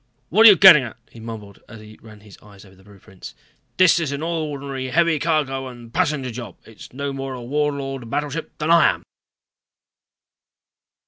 "What are you getting at?" he mumbled as he ran his eyes over the blueprints. "This is an ordinary heavy cargo and passenger job. It's no more a Warlord battleship than I am."